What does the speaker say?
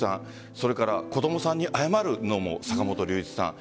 それから子供さんに謝るのも坂本龍一さん。